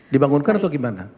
dibangunkan atau gimana